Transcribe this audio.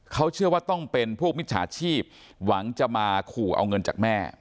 เขาเชื่อว่าต้องเป็นพวกมิจฉาชีพหวังจะมาขู่เอาเงินจากแม่